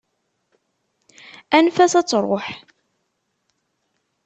Anef-as ad truḥ!